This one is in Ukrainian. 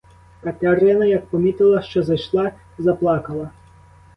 Катерина як помітила, що зайшла — заплакала.